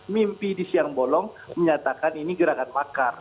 mimpi di siang bolong menyatakan ini gerakan makar